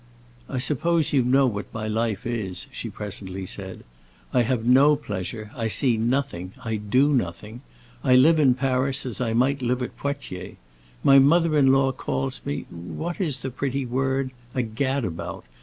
"I suppose you know what my life is," she presently said. "I have no pleasure, I see nothing, I do nothing. I live in Paris as I might live at Poitiers. My mother in law calls me—what is the pretty word?—a gad about?